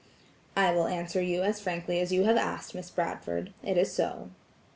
"I will answer you as frankly as you have asked, Miss Bradford; it is so."